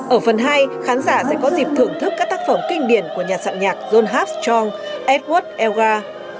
ở phần hai khán giả sẽ có dịp thưởng thức các tác phẩm kinh điển của nhà sạng nhạc john armstrong edward elgar